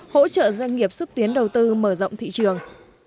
hỗ trợ doanh nghiệp xúc tiến đầu tư mở rộng thị trường